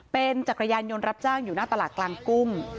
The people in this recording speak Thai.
เป็นจักรยานยนต์รับจ้างอยู่หน้าตลาดกลางกุ้ง